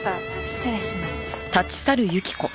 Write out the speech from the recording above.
失礼します。